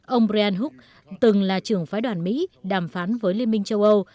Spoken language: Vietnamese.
ông brian hook từng là trưởng phái đoàn mỹ đàm phán với liên minh châu âu